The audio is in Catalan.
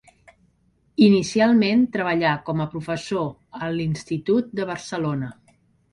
Inicialment treballà com a professor a l'Institut de Barcelona.